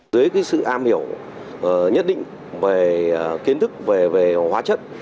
dưới sự am hiểu nhất định về kiến thức về hóa chất